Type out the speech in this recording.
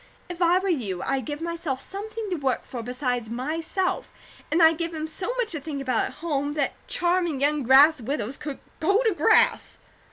If I were you, I'd give myself something to work for besides myself, and I'd give him so much to think about at home, that charming young grass widows could go to grass!"